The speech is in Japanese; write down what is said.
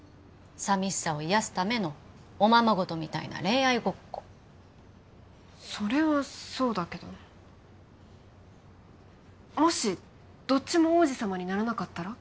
寂しさを癒やすためのおままごとみたいな恋愛ごっこそれはそうだけどもしどっちも王子様にならなかったら？